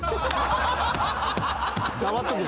黙っとけ。